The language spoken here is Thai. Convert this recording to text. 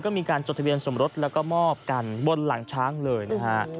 ก็มีการจดทะเบียนสมรสแล้วก็มอบกันบนหลังช้างเลยนะฮะ